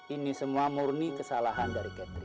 ini semua murni kesalahan dari catering